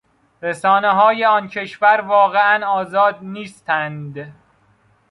رسانههای آن کشور واقعا آزاد نیستند.